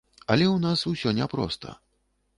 Але ў нас усё не проста.